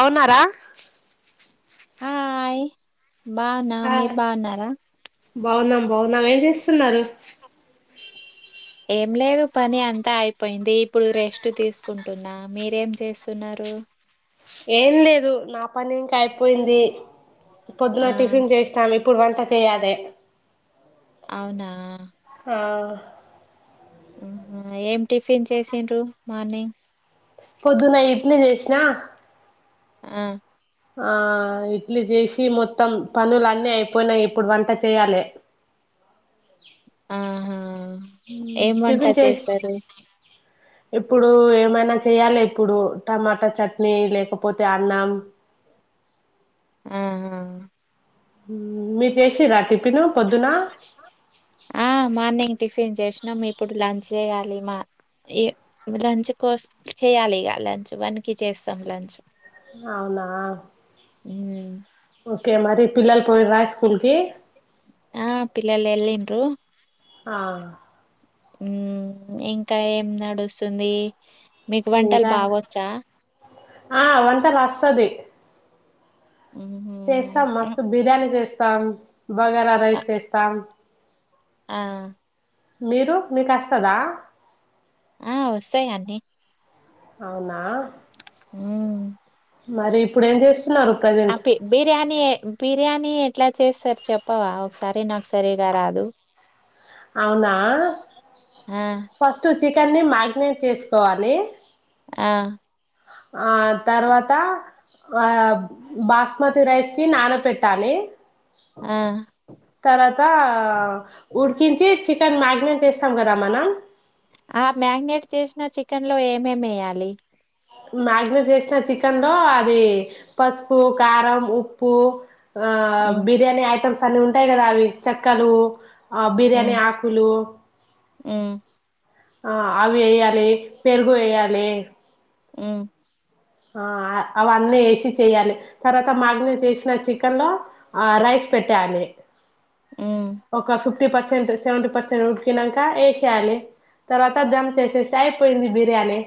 అవునారా ఆయ్ బాగునా మీరు బాగున్నారా బావున్నాం బాగున్నాం ఏం చేస్తున్నారు ఏం లేదు పని అంతా అయిపోయింది. ఇప్పుడు రెస్ట్ తీసుకుంటున్నా మీరేం చేస్తున్నారు ఏం లేదు నా పని ఇంకా అయిపోయింది పొద్దున ఆ టిఫిన్ చేస్తాం ఇప్ ఇప్పుడు వంట చేయలే అవునా ఆ ఆ ఏం టిఫిన్ చేసిండ్రు మార్నింగ్ పొద్దున ఇడ్లీ చేసిన ఆ ఆ ఇడ్లీ చేసి మొత్తం పనులు అన్నీ అయిపోయినాయి ఇప్పుడు వంట చేయాలి ఆహా. హుమ్ ఏం వంట టిఫిన్ చెయ్ చేస్తారు ఇప్పుడు ఏమైనా చెయాలి ఇప్పుడు టమాటా చట్నీ లేకపోతే అన్నం ఆ ఆ ఆ హుమ్ మీరు చేసిర టిఫిన్ తిన్ను పొద్దునా ఆ మార్నింగ్ టిఫిన్ చేసినాం ఇప్పుడు లంచ్ చేయాలి మా ఈ లంచ్ కోసం చేయాలి ఇక లంచ్ వన్కి చేస్తాం లంచ్ అవునా మ్మ్. హు క మరి పిలలు పోయి రైస్ ఆ పిల్లల ఎల్లిన్రు ఆ ఉ ఇంకా ఏం నడుస్తుంది మికు వంటలు ఇంకా బాగొచ్చా ఆ అ వంట రా వస్తది ఉహు చేస్తాం ఆ మస్తు బిర్యానీ చేస్తా స్తమ్ భగర రైస్ చేస్తమ్ ఆ మీరు మీకస్తదా ఆ వస్తాయి అన్నీ అవునా హ్మ్మ్ మరి ఇప్పుడ ఎం చెస్ అప్పి బిర్యానీ బి బిర్యానీ ఎట్లా చేస్తారు చెప్పవా ఒకసారి నాకు సరిగా రాదు అవునా ఆ ఫస్ట్ వచ్ చికెన్ని మ్యాగ్ నేట్ చేసుకోవాలి ఆ ఆ తర్వాత ఆ బాస్మతి రైస్కిి నాన పెట్టాాలి ఆ తర్వాతా ఊ చికెన్ మ్యా చేస్తం గదా మనం ఆ మ్యాగ్నేెట్ చేసిన చి చికెన్ లో ఏమేమి ఎయ్యాలి మ్యాగినేట్ చేసిన చికెన్ లో అది పసుపు కారం ఉప్పు ఆ ఉమ్, బిర్యానీి ఐటమ్స్ అన్ని ఉంటాయి కదా అవి చెక్కలు ఆ బిర్యానీ ఆకులు మ్ ఆ అవి వేయాలి పెరుగు వేయాలి మ్మ్ ఆ ఆ అవన్నీ వేసి చేయ్యాలి తర్వాత మాగనెట్ చేసిన చికెన్ లో ఆ రైస్ పెట్టాలి ఉమ్. ఒక చు ఫిఫ్టీ పర్సెంట్ సెవెంటీ పర్సెంట్ ఉడికినాంక వేసేయాలి తర్వాత దమ్ చేసేసి అయిపోయింది బిర్యానీ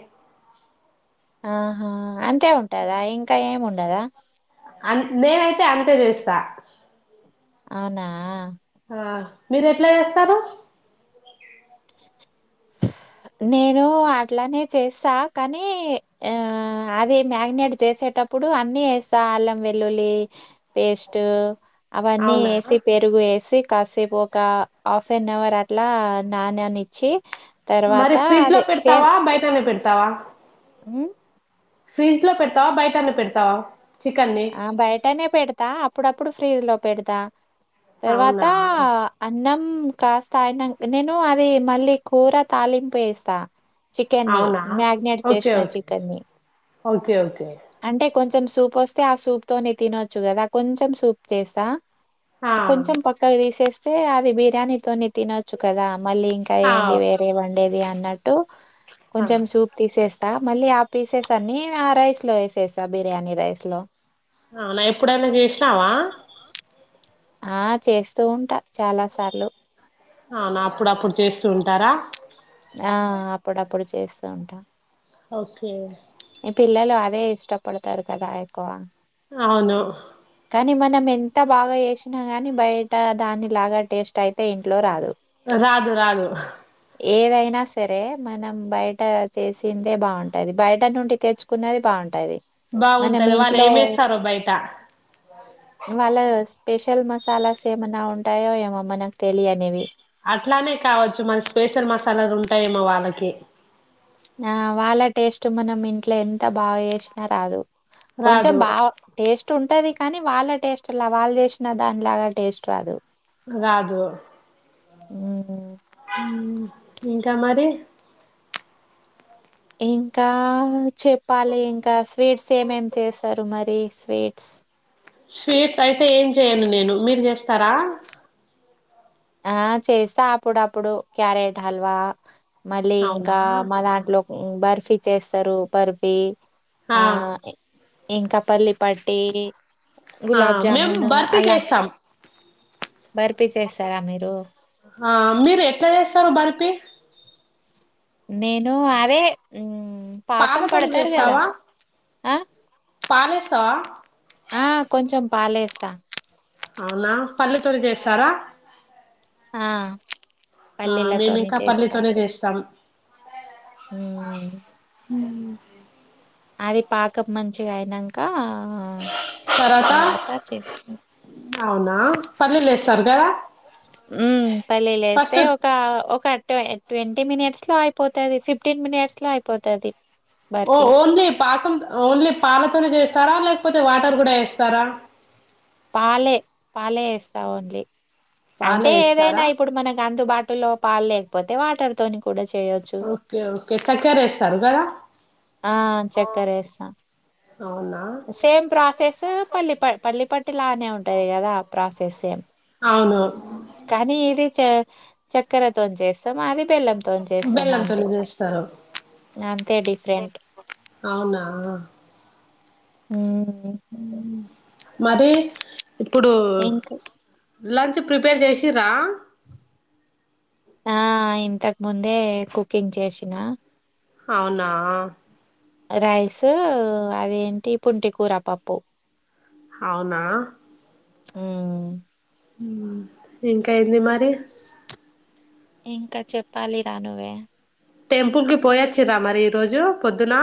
ఆహా అంతే ఉంటదా ఇంకా ఏముం గదా అన్ నేనైతే అంతే చేస్తా అవునా ఆ మీరు ఎట్లా చేస్తారు నేను అట్లానే చేస్తా కానీ ఆ అది మ్యాగ్నేట్ చేసేటప్పుడు అన్ని వేస్తా అల్లం వెల్లుల్లి పేస్ట్ అవన్నీ వేసి అవునా పెరుగు వేసి కాసేపు ఒక ఆఫ్ ఫెన్ అవర్ అట్లా నానానిచ్చి తర్వా మరి ఫ్రిడ్జ్ లో పెడతావా బయట ఎ పెడతావా ఊ ఫీడ్జ్ లో పెడతావ బైటనే పెడతావ ఆ బయటనే పెడతా అప్పుడప్పుడు ఫ్రీజ్ లో పెడ్ త తర్వాత అవునా అన్నం కాస్త ఆయన నేను అది మళ్ళీ కూర తాలింపు ఏస్తా చికెన్ని అవునా మ్యాగినేట్ ఓకే చేసిన ఓకే చికెన్ని ఓకే ఓకే అంటే కొం కొం సూపస్ తే ఆ సూప్ తోనే తినొచ్చు కదా కొంచెం సూప్ చేస్తా ఆ కొంచెం పక్కక్ దీసేసి ఏ అది బిర్యానీ కని తినొచ్చు కదా మళ్ళీ ఇంకా ఆ ఏంది వేరే వండేది అ నడ్ అ ఆ కొంచెం సూప్ తీసేస్ అ మళ్ళీ ఆ పీసెస్ అన్ని ఆ రైస్ లో వేసేసా బిర్యానీ రైస్ లో అవునా ఎప్పుడనా జేష్ణవా ఆ చేస్తూ ఉంటా చాలా సార్లు అవునా అప్పుడు అప్పుడు చేస్తూ ఉంటారా ఆ అప్పుడ అప్పుడు చేస్ వంటా ఓకే అదే ఇష్టపడతారు కదాయక అవును కాని మనం ఎంత బాగా చేసినా గాని బయట దాని లాగా టేస్ట్ అయితే ఇంట్లో రాదు రాదు రాదు ఏదైనా సరే మనం బయట చేసిందే బాగుంటది బయట నుండి తెచ్చుకునది బాగుంటది బాగుంటది వాళ్ళు ఏమేస్తారో బయట పెషల్ మసాలాస్ ఏమన్న ఉంటాయో ఏమో మనకు తెలియనివి అట్లానే కావచ్చు మరి స్పెషల్ మసాలాలు ఉంటాయేమో వాళ్ళకి ఆ వాళ్ళ టేస్ట్ మనం ఇంట్లో ఎంత బాగా చేేసినా రాదు కొంచెం రాదు బా టేస్ ఉంటది కానీ వాళ్ళ టేస్ట్లా వాళ్ళ చేసిన దాని లాగా టేస్ట్ రాదు రాదు హ్మ్. ఊ ఇంకా మరి ఇంకా చెప్పాలి ఇంకా స్వీట్స్ ఏమేం చేసరు మరి స్వీట్స్ స్వీట్ అయితే ఏం చెయను నేను మీర్ చేస్తరా ఆ చేస్త అప్పుడ అప్పుడు క్యారెట్ హల్వా మళ్ళీ అవునా ఇంకా మా దాంట్లొ బర్ఫీ చేస్తరు బర్ఫీ ఆ ఎ ఇంకా పల్లిపట్టి ఆ మేము గులాబ్జామున్ బర్ఫీ అలా చేస్తాం బర్పిసెస్ ఆ మీరు ఎట్ల చేస్తారు బరిపి నేను అదే పాకం పాలతోని పడతారు కద చేస్తావా అ పాలేస్తావా ఆ కొంచెం పాలేస్త అవునా పల్లి తోని చేస్తారా ఆ ఆ మే పల్లీలతోనే మింకా చేస్తా. పల్లితోనే చేస్తాం హ్మ్. హ అది పాకపు మంచిగ అయినాక ఆ తర్వాత తర్వత చేసి అవునా పల్లీలు వేస్తారు కదా ఉమ్ పల్లీ లేస్తే ఫస్ట్ ఒక ఒక ట్ ట్వంటీ మినిట్స్ లో అయిపోతది ఫిఫ్టీన్ మినిట్స్ లో అయిపోతది ఓ బర్ఫీ. ఒన్ గా చెప్ పాకం ఓన్లీ పాలతోనె చేస్తరా లేకపోతే వాటర్ కూడా వేస్తారా పాలె పాలే వేస్తా ఓన్లీ పాలే అంటే ఏదైన వేస్తారా ఇప్పుడు మనకు అందుబాటులో పాలేకపోతే వాటర్తోని ఓకే ఓకే చక్యరేస్తారు గడా ఆ చెక్కర వేస్తాం అవునా సేమ్ ప్రాసెస్ పల్ పల్లపట్టి లానే ఉంటా గదా ప్రాసెస్ అవును కానీ ఇది చ చక్కర్ తో చేస్తాం అది బెల్లం తో చేస్తాం అంతే బెల్లంతోనే చేస్తారు అంతే డిఫరెంట్ అవున ఉమ్ ఉహ్ మరి ఇప్పుడూ ఇంక్ లంచ్ ప్రిపేర్ చేసిరా ఆ ఇంతకు ముందే కుకింగ్ చేసిన అవున నా రైస్ అదేంటి పుంటి కూర పప్పు అవునా ఆ ఇంకా ఏంది మరి ఇంకా చెప్పాలి రానువే టెంపుల్ కి పోయచ్చరా మరి ఈ రోజు పొద్దున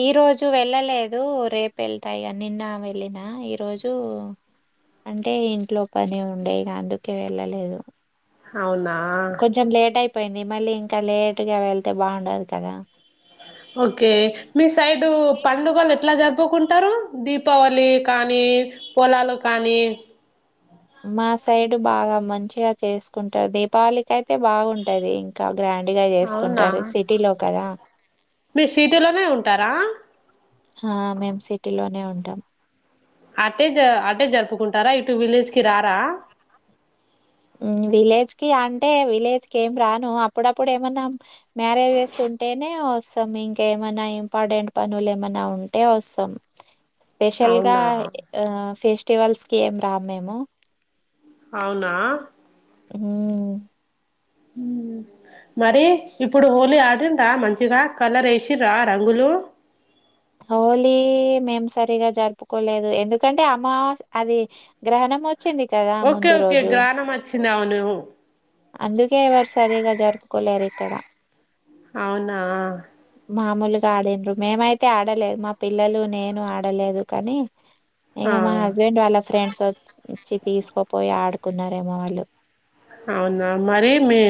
ఈరోజు వెళ్ళలేదు, రేపు వెళ్తాయి ఇగా నిన్న వెళ్ళిన ఈరోజు అంటే ఇంట్లో పని ఉండే, ఇక అందుకే వెళ్ళలేదు. అవునా కొంచెం లేట్ అయిపోయిం మళ్ళీ ఇంకా లేటుగా వెళ్తే బాగుండదు కదా ఓకే మీ సైడ్ పండుగలు ఎట్లా జరుపుకుంటారు దీపావళి కానీ పొలాలు కానీ మా సైడ్ బాగా మంచిగా చేసుకుంటారు దీపావళికి అయితే బాగుంటది ఇంకా గ్రాండ్ గా అవునా చేసుకుంటారు సిటీలో కదా మీ సీటీలోనే ఉంటారా ఇటిలోనే ఉంటాం అటే జ అంటే జరుపుకుంటారా ఇటు విలేజ్ కి రారా విలేజ్ కి అంటే విలేజ్ కి ఏం రాను అప్పుడప్పుడు ఏమన్నాం మ్యారేజెస్ ఉంటేనే వస్తాం ఇంకేమనా ఇంపార్టెంట్ పనులు ఏమైనా ఉంటే వస్తాం స్పెషల్ గా అవునా ఆ ఫెస్ట్ ఫెస్టివల్స్కి ఏం రా మేము అవునా మ్ మరి ఇప్పుడు హోలీ ఆడింద్రా మంచిగా కలర్ వేసిరా రంగులు హోలీ మేం సరిగా జరుపుకోలేదు ఎందుకంటే అమాస్ అది గ్రహణం వ ఓకే ఓకే గ్రానం వచ్చి అందుకే ఎవరు సరిగా జరుపుకొ అక్కడ అవునా మామూలుగా ఆడిన్రు మేమైతే ఆడలేదు మా పిల్లలు నేను ఆడలేదు కానీ ఇక ఆ మా హస్బెండ్ వాళ్ళ ఫ్రెండ్స్ వచ్చి తీసుకోపోయి ఆడుకున్నారేమో వాళ్ళు అవునా మరి మీ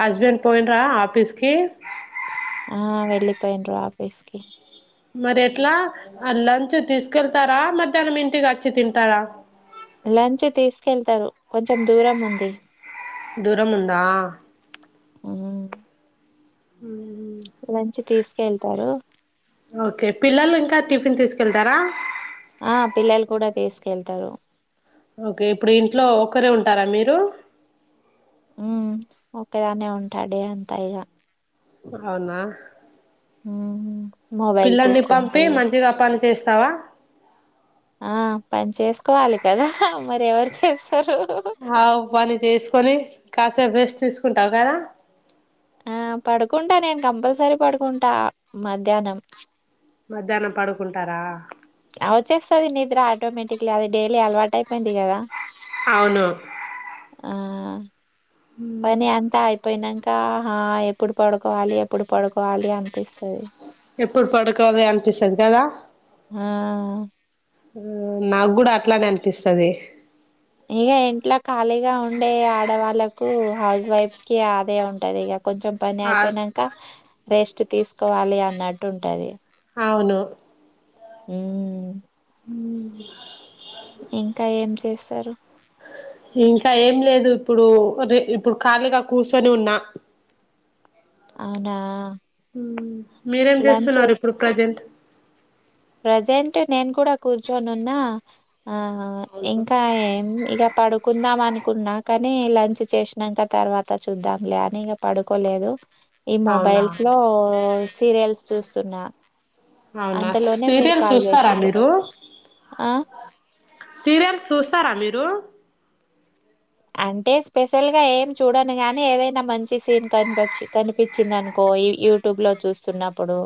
హస్బెండ్ పోయినరా ఆఫీస్ కి ఆ వెళ్లిపోయిండ్రు ఆఫీస్కి మరి ఎట్లా లంచ్ తీసుకెళ్తారా మధ్యాహ్నం ఇంటికి వచ్చి తింటారా లంచ్ తీసుకెళ్తారు కొంచెం దూరం ఉంది దూరము ఉందా మ్మ్ మ్మ్ మ్మ్ తీసుకెళ్తారు. ఓకే పిల్లలింకా టిఫిన్ తీసుకెళ్తారా ఆ పిల్లలు కూడా తీసుకెళ్తారు ఓకే ఇప్పుడు ఇంట్లో ఒక్కరే ఉంటారా మీ డు ఊ ఒక్కదాన్నే ఉంటాడి అంతా ఇగా హవునా ఊ పిల్లల్ని పంపి మంచిగా పని చేస్ తావా ఆ పని చేసుకోవాలి కదా మరి ఎవరు చేస్తారు హౌ పని చేసుకొని కాసేపు రెస్ట్ తీసుకుంటావు కదా ఆ పడుకుంటా నేను కంపల్సరీ పడుకుంటా మధ్యానం మధ్యానం పడుకుంటారా ఆవచ్చేస్తాది నిద్ర టోమేటిక్లీ అది డైలీ అలవాటు ఐయిపోయింది కదా అవును ఆ పని అంతా ఐపోయినం ఆహా ఎప్పుడు పడుకోవాలి ఎప్పుడు పడుకోవాలి అని ఎప్పుడు పడుకోవాలి అనిపిస్తది కదా ఆ ఊ నాకు కూడా అట్లానే అన్పిస్తాది ఇగ ఇంట్లో ఖాళీగా ఉండే ఆడవాళ్ళలకు హౌస్ వైఫ్స్ కి ఆదే ఉంటాది ఇగ కొంచెం పని ఆ అయిపోయినంక రెస్ట్ తీసుకోవాలి అన్నట్టు ఉంటాది అవును మ్ మ్ ఇంకా ఏం చేస్తారు ఇంకా ఏం లేదు ఇప్పుడు రే ఇప్పుడు ఖాళీగా కూర్చొని ఉన్నా అవునా మ్ మీరేం చేస్తున్నారు ఇప్పుడు ప్రజెంట్ ప్రజెంట్ నేను కూడా కూర్చొని ఉన్నా ఆహా ఇంకా ఏం ఇక పడుకుందాం అను అనుకున్నా కానీ లంచ్ చేసినాక తర్వాత చూద్దాం లే అని ఇక పడుకోలేదు ఈ అవునా మొబైల్స్ లో సీరియల్స్ చూస్త అత్తన్నా అవునా సీరియల్ చూస్తారా చేసిండ్రు. మీరు ఆ! సీరియల్స్ చూస్తారా మీ రు అంటే స్పెషల్ గా ఏం చూడను గాని ఏదైనా మంచి సీన్ కనిపచ్చి కనిపించింది. అనుకో యూట్యూబ్ లో చూస్తున్నప్పుడు